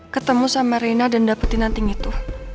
ketemu sama reina dan dapetin nanting itu